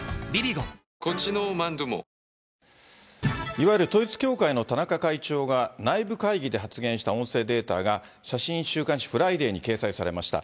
いわゆる統一教会の田中会長が、内部会議で発言した音声データが、写真週刊誌フライデーに掲載されました。